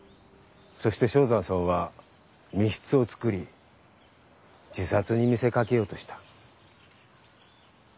そして正山さんは密室をつくり自殺に見せ掛けようとした。